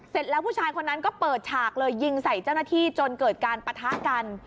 เสร็จแล้วผู้ชายคนนั้นก็เปิดฉากเลยยิงใส่เจ้าหน้าที่จนเกิดการปะทะกัน